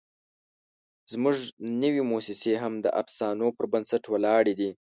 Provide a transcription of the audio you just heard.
زموږ نوې موسسې هم د افسانو پر بنسټ ولاړې دي.